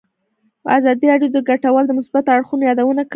ازادي راډیو د کډوال د مثبتو اړخونو یادونه کړې.